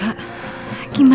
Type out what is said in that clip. aku pengen di streamer